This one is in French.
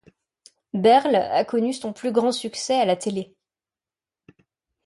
Berle a connu son plus grand succès a la télé.